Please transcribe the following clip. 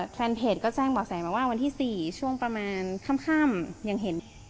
แฟนเพจก็แจ้งบ่อแสมาว่าวันที่๔ช่วงประมาณค่ำยังเห็น